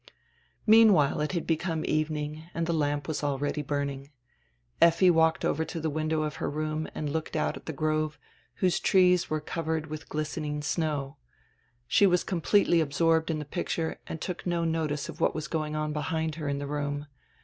Meanwhile it had become evening and die lamp was already burning. Effi walked over to die window of her room and looked out at die grove, whose trees were covered widi glistening snow. She was completely absorbed in die picture and took no notice of what was going on behind her in die room.